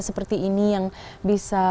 seperti ini yang bisa